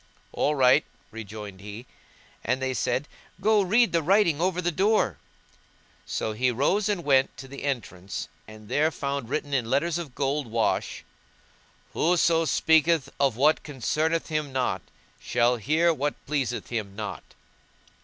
"All right," rejoined he, and they said, "Go read the writing over the door." So he rose and went to the entrance and there found written in letters of gold wash; WHOSO SPEAKETH OF WHAT CONCERNETH HIM NOT, SHALL HEAR WHAT PLEASETH HIM NOT!